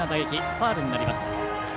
ファウルになりました。